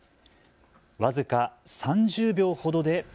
僅か３０秒ほどで。